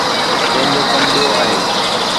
جنهن جو ڪم ٻيو آهي.